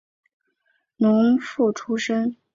戈耳狄俄斯原本是农夫出身。